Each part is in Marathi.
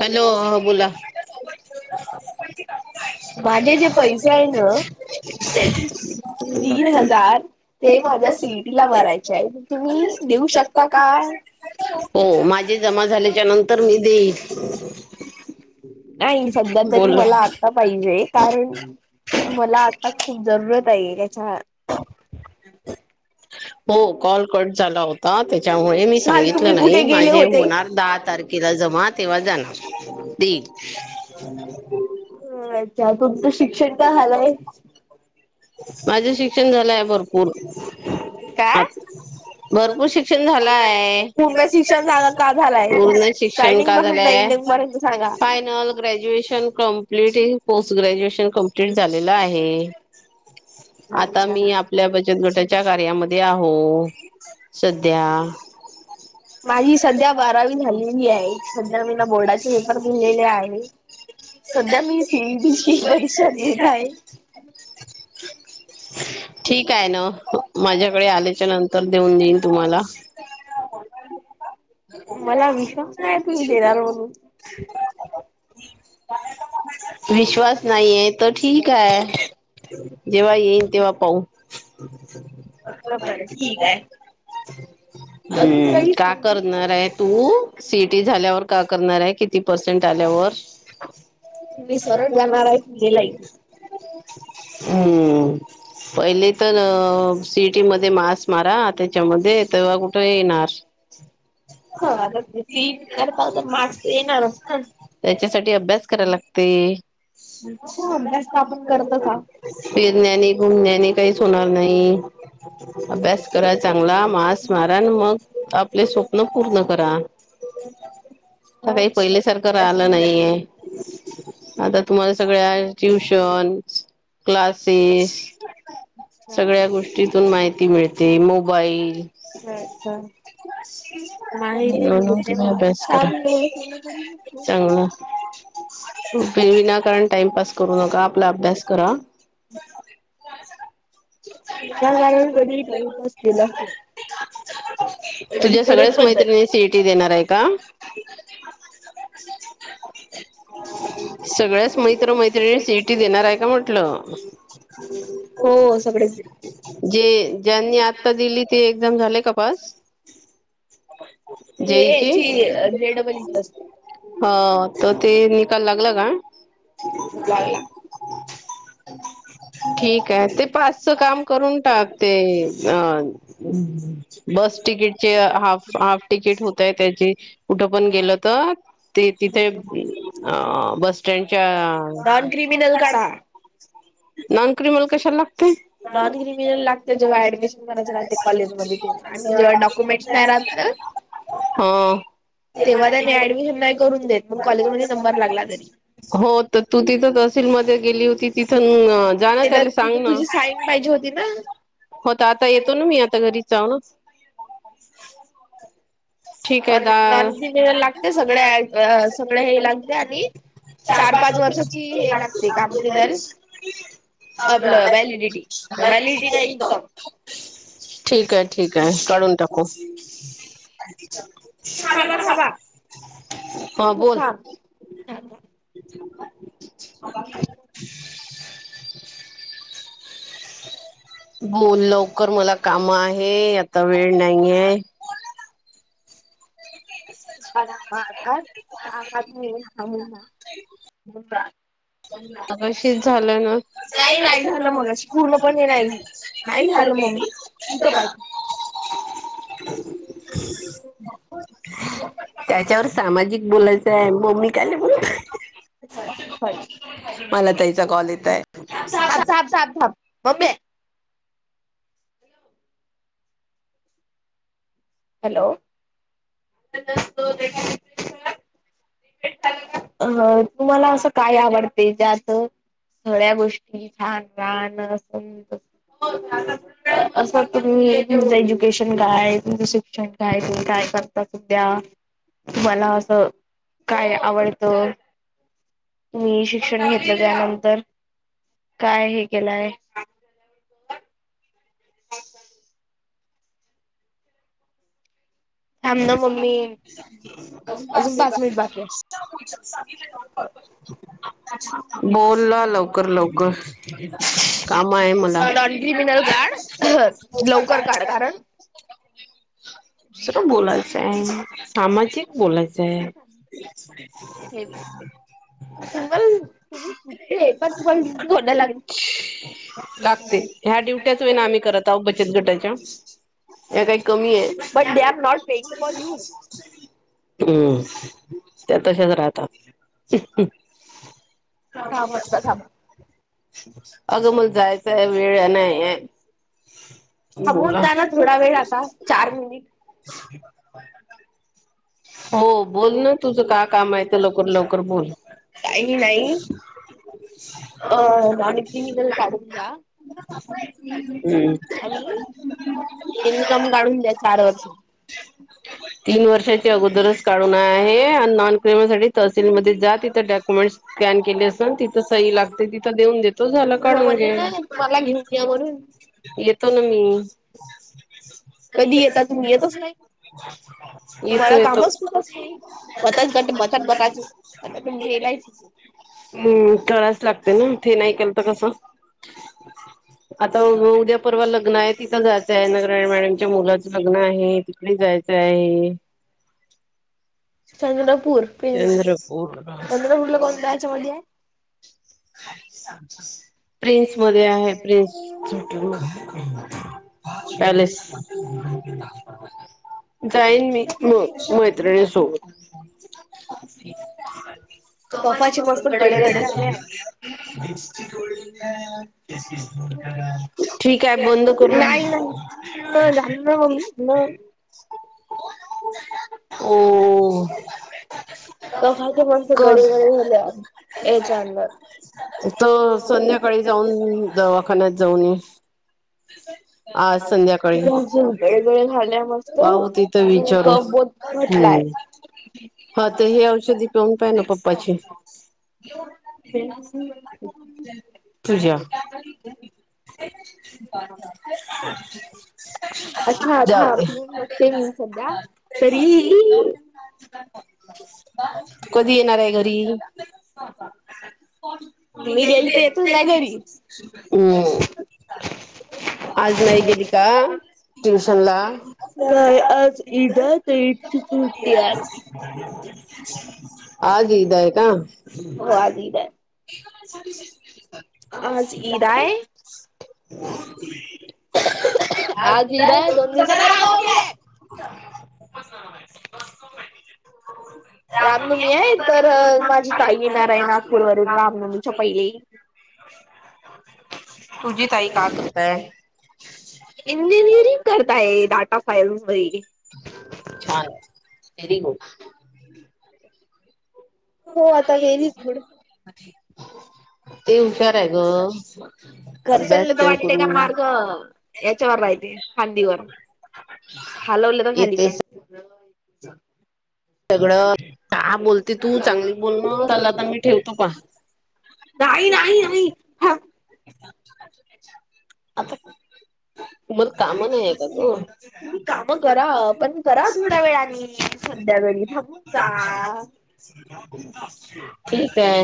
हॅलो बोला. माझे जे पैसे आहे ना, तीन हजार ते माझ्या सी ई टी ला भरायचे आहे तुम्ही देऊ शकता का. हो माझे जमा झाल्याच्या नंतर मी देईल. नाही, सध्या तरी बोल मला आता पाहिजे, कारण मला आता खूप जरूरत आहे. त्याचा [inaudible] हो कॉल कट झाला होता, त्याच्यामुळे मी काल तुम्ही सांगितलं नाही. कुठे गेले माझे होते होणार दहा तारखे ला जमा तेव्हा जाणार. देईल. अच्छा तुमचं शिक्षण का झालंय माझं शिक्षण झालंय भरपूर. काय भरपूर शिक्षण झालं आहे. पूर्ण शिक्षण झाला का झालाय शिक्षण स्टार्टिंग काय झालं पासून तर आहे. एंडिंग पर्यंत सांगा फायनल ग्रॅज्युएशन कंप्लीटय, पोस्ट ग्रॅज्युएशन कंप्लीट झालेलं आहे. आता मी आपल्या बचत गटाच्या कार्यामध्ये आहोत सध्या. माझी सध्या बारावी झालेली आहे. सध्या मी ने बोर्डाचे पेपर दिलेले आहे. सध्या मी सीईटीची परीक्षा देत आहे. ठीक आहे न. माझ्याकडे आल्याच्या नंतर देऊन देईन तुम्हाला. मला विश्वास नाय तुम्ही देणार म्हणून. विश्वास नाहीयाय तर ठीक आहे. जेव्हा येईन तेव्हा पाहू. म्हटलं बरं ठीक आहे. अजून हं काही का सांगू करणार आहे. तू सीईटी झाल्यावर का करणार आहे, किती पर्सेंट आल्यावर. [inaudible] ती सरळ जाणार हाय हम्म. पहिले तर सीईटी मधे मार्कस मारा त्याच्यामध्ये, तेव्हा कुठे येणार. अच्छा. ह आता सीईटी केल्यावर, मार्क्स तर येणारच ना. त्याच्यासाठी अभ्यास कराय लागतेय. हो अभ्यास तर आपण करतच आहोत. फिरण्याने घुमण्याने काहीच होणार नाही, अभ्यास कराय चांगला मार्कस मारा आणि मग आपले स्वप्न पूर्ण करा. आता हो काय पहिलेसारखं अभ्यास राहिलं नाही. अच्छा आता तुम्हाला सगळ्यांचं ट्युशन क्लासेस, सगळ्या गोष्टीतून माहिती मिळते मोबाईल. अच्छा- अच्छा. माहिती म्हणून मिळते मग. चांगलं. कुठे विनाकारण टाइमपास करू नका, आपला अभ्यास करा. [unintelligible] त्या कारण कधी टाइमपास केलाच नाही. आणि तुझ्या करत सगळ्याच पण नाही. मैत्रिणी सीईटी देणार आहे का. सगळ्याच मैत्र मैत्रिणी सिईटी देणार हाय का म्हंटलं हो सगळेच जे ज्यांनी आता दिली ते एक्झाम झाले का पास जे ए जेईची जी जे डबल इ च असते ह त ते निकाल लागला का [unintelligible] ठीकाए ते पासच काम करून टाक ते अ बस तिकीटचे हाफ हाफ टिकीट हुतय त्याचे कुट पण गेलं तर ते तिते बस स्टँडच्या नॉन क्रिमिनल काडा नॉन क्रिमिनल ल कशाला लागतय नॉन क्रिमिनल लागतय जेव्हा ऍडमिशन कराय चे राहते कॉलेजमध्ये तेवा आणि जेवा डाक्युमेंट्स नाय राहत ना हम तेवा त्यानी ऍडमिशन नाइ करून देत मंग कॉलेजमध्ये नंबर लागला तरी हो त तू तिथं तहसीलमदे गेली होती तिथन जाणा त्याच्यात त्याले सांग तिथं ना तुझी साईन पाहिजे होती ना होता आता येतो ना मी आता घरी जा ठीक आहे नाही दा नॉन क्रिमिनल लागतय सगळ्या ब अ सगळ हे लागतय आदी चार पाच वर्षाची हे लागते कागदमदे तर आपला वैलिडिटी वैलिडिटी ना इनकाम ठीकेए ठीकेए काडुन टाकू थांबा थांबा हा बोल थांब. [unintelligible] [inaudible] [unintelligible] [inaudible] मोललवकर मोलात काम आहेत आता वेळ नाहीये. [inaudible] मगाशीच झालं ना, [inaudible] [unintelligible] [unintelligible] नाही नाही झालं मगाशी पूर्णपणे नाही झालं नाही झालं मम्मी इथं पाय [unintelligible] त्याच्यावर सामाजिक बोलायचं आहे मग मी काय नाइ मला ताइचा कॉल येताय. [unintelligible] [inaudible] मम्मे हॅलो [unintelligible] अ तुमाला आसं काय आवडते ज्यात सगळ्या गोष्टी छान राहान असंत. असा तुमी तुमचं एज्युकेशन काय तुमचं शिक्षण काय तुमी काय करता सद्या? तुम्हाला असं काय आवडतं मी शिक्षण घेतलं त्यानंतर काय हे केलंय थांब ना मम्मी अजून पाच मिनिट बाकी आहे [unintelligible] [inaudible] बोल ना लवकर लवकर कामय मला नॉन क्रिमिनल कार्ड लवकर काढ कारण बोलायचाय सामाजिक बोलायचंय हे लागते [unintelligible] ह्या ड्युट्याच नां आम्ही करत आहोत बचत गटाच्या. या काय कमी ऐ? But they are not paying for you hmm. त्या तश्याच राहतात. थांब आत्ता थांब अगं मगं जायचा वेळ नाहीये. थांबवून जाना थोडा वेळ आता. चार मिनिट [inaudible] हो. बोल ना तुझं काय काम आहे ते लवकर लवकर बोल. अं, आम्ही क्रिमिनल काढूच्या हम्म आणि इन्कम काढून द्या चार वर्ष तीन वर्षा चे अगोदरच काढून आहे आणि नॉन क्रिमिनल साठी तहसील मध्ये जा, तिथं डॉक्युमेंट्स स्कॅन केले असून तिथं सही लागते. तिथं देऊन देत तो झाला पण तो काढून म्हणे घे. ना तुम्हाला घेऊन या म्हणून येतो ना मी कधी येता तुम्ही? येतच नाही. येतो मला येतो कामच खूप असते. बचत गट, बचत गटाचेे, एल आय सी हम्म. करायच लागते ना, ते नाय केलं तर कसं? आता उद्या परवा लग्न आहे, तिथं जायचं आहे. नगराळे मॅडमच्या मुलाचं लग्न आहे, तिकडे जायचं आहे. चंद्रपूर प्रिन्स चंद्रपूर. चंद्रपूरला कोणत्या याच्यामध्ये आहे प्रिन्स मध्ये आहे प्रिन्स पॅलेस. जाईन मी म मैत्रिणी सोबत [inaudible] [unintelligible] कफाची मस्त गडे गडे झाले आहे. विक्स ची गोळी घ्या ठीक आहे, बंद करू. नाही नाही न झालं ना मम्मी? मग ओहं. कफाची माणसे कडे कडे झाल्या, याच्यांवर. तर संध्याकाळी जाऊन, दवाखान्यात जाऊन ये. आज संध्याकाळी. गडे गडे झाल्या मस्त पाहू, तेथे विचारू. कफ बोत घटलाय हम्म, का ते हे औषधी पिऊन पहा ना पप्पाचे. तूझ्या. [unintelligible] अच्छा, अच्छा, बघते मी सध्या. तरीही [inaudible] कधी येणारे घरी? [unintelligible] मी गेली तर येतच नाही घरी हम्म, आज नाही गेली का? ट्युशन ला? नाही आज, ईद आहे ते आज ईद आहे का? हो, आज ईद आहे. आज ईद आहे? आज ईद आहे, दोन दिवसांनी रामनवमी आहे. [unintelligible] रामनवमी आहे, तर माझी ताई येणार आहे. नागपूरवरून येणार आहे रामनवमीच्या पहिले. तुझी ताई का ग इंजिनिअरिंग करताय डाटा फाईल्स मध्ये. छान, व्हेरी गुड. हो, आता व्हेरीच गुड. ती हूशार आहे गं. घरच्यांला तर वाटते का मार्क, याच्यावर राहिले फांदीवर. हलवलं तर खाली येते. पडतील. सगळं, का बोलते तू, चांगली बोल ना. चल आता मी ठेवतो पहा. नाही नाही,,, आता तुम्हाला कामं नाही आहे का गं? तुम्ही काम कामं करा पण इथं पत्ता ठीक आहे.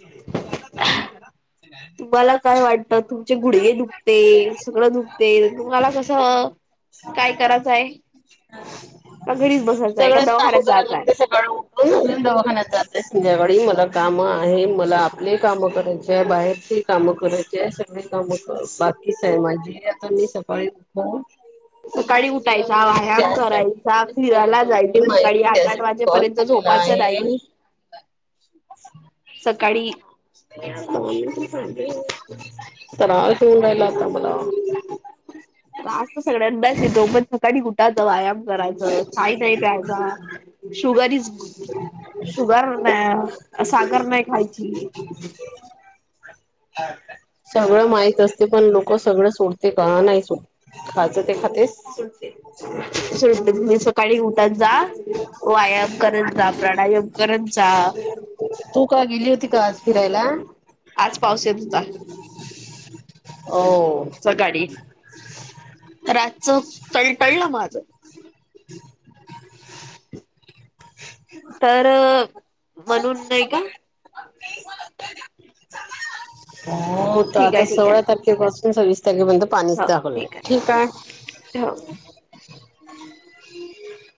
[unintelligible] तुम्हाला काय वाटतं, तुमचे गुडघे दुखते, सगळं दुखते. तुम्हाला कसं [unintelligible] आ घरीच बसाल. सगळेचं कामं करायला लागते सकाळी उठून, मग दवाखान्यात जाते. ते, संध्याकाळी मला कामं आहे. मला आपले कामं करायचे आहे. बाहेरचीही कामं करायचे आहे. एवढी कामं करून, बाकीच आहे माझी. आता मी सकाळी उठून सकाळी तुला उठायचं, माहिती व्यायाम कराय द्यासाठी चा,,, सरस फिरायला महोत्सवची जायचं सकाळी,, माहिती आठ आठ त्यासाठी कॉल वाजेपर्यंत केलेला झोपायचं नाही. आहे. सकाळी [unintelligible] तरास होऊन राहिला आता मला. त्रास तर सगळ्यांनाच येतो. पण सकाळी उठायचं, व्यायाम करायचं, चहाही नाही प्यायचा. शुगर इज शुगर नाही, साखर नाही खायची. सगळं माहित असते पण लोकं सगळं सोडत ते का नाही सोड,,, खायचं ते खातेस. तुम्ही सकाळी उठत जा,, व्यायाम करत जा,, प्राणायाम करत जा. तू का गेली होती का आज फिरायला? आज पाऊस येत होता हो. सकाळी रातचं कळ टळ्ळं माझं. [inaudible] तर,, म्हणून नाही का? हो तर ठीक आहे आता ठीक सोळा आहे तारखे खेपासून सव्वीस तारखेपर्यंत पाणीच हो दाखवलंय. ठीक आहे. हाय,, ठेव.